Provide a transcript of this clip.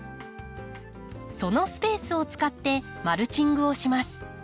そのスペースを使ってマルチングをします。